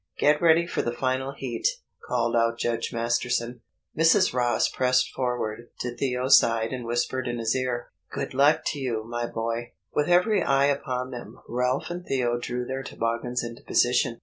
"Get ready for the final heat," called out Judge Masterton. Mrs. Ross pressed forward to Theo's side and whispered in his ear, "Good luck to you, my boy." With every eye upon them, Ralph and Theo drew their toboggans into position.